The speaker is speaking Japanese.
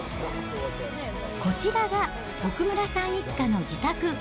こちらが屋村さん一家の自宅。